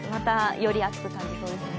より暑く感じそうですね。